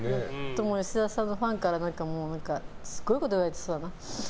吉沢さんのファンからすごいこと言われてそうだな。